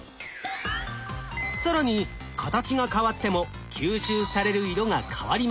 更に形が変わっても吸収される色が変わります。